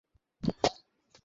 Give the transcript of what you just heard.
আরে অবশ্যই হবে।